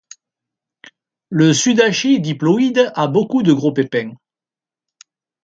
Le sudachi diploïde a beaucoup de gros pépins.